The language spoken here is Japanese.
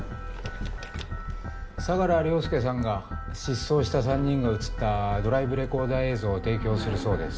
相良凌介さんが失踪した３人が写ったドライブレコーダー映像を提供するそうです。